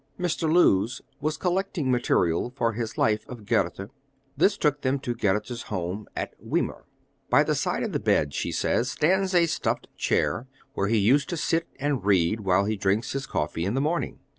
Mr. Lewes was collecting materials for his Life of Goethe. This took them to Goethe's home at Weimar. "By the side of the bed," she says, "stands a stuffed chair where he used to sit and read while he drank his coffee in the morning.